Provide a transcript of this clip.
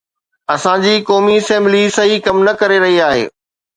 اسان جي قومي اسيمبلي صحيح ڪم نه ڪري رهي آهي.